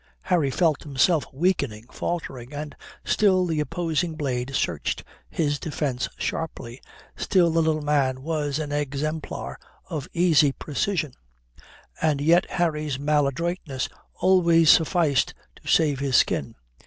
Harry felt himself weakening, faltering, and still the opposing blade searched his defence sharply, still the little man was an exemplar of easy precision. And yet Harry's maladroitness always sufficed to save his skin.